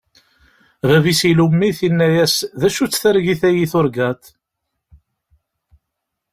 Baba-s ilumm-it, inna-as: D acu-tt targit-agi i turgaḍ?